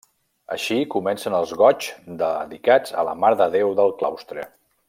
Així comencen els goigs dedicats a la Mare de Déu del Claustre.